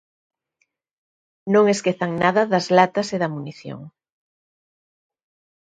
Non esquezan nada das latas e da munición.